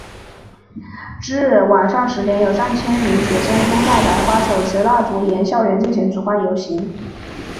至晚上十点有上千名学生胸带白花手持蜡烛沿校园进行烛光游行。